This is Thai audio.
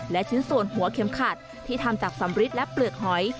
และชิ้นส่วนหัวเข็มขัดที่ทำจากสำริดและเปลือกหอย